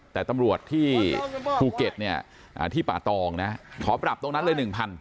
แต่ตำรวจที่ภูเก็ตเนี่ยที่ป่าตองนะขอปรับตรงนั้นเลย๑๐๐